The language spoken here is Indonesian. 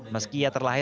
meski ia terlalu banyak